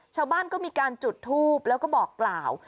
ชาวบ้านก็มีการจุดทูบแล้วก็บอกกล่าว